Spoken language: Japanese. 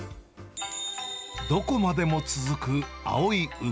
どこまでも続く青い海。